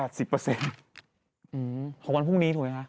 ของวันพรุ่งนี้ถูกไหมคะ